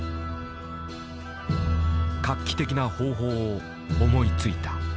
画期的な方法を思いついた。